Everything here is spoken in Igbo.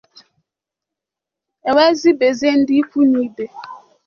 E wee zibezịe ndị ikwu na ibe.